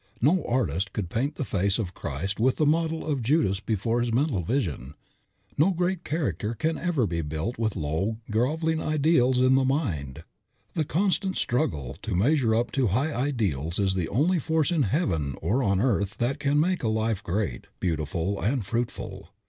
No artist could paint the face of Christ with the model of Judas before his mental vision. No great character can ever be built with low, groveling ideals in the mind. The constant struggle to measure up to a high ideal is the only force in heaven or on earth that can make a life great, beautiful and fruitful.